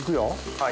はい。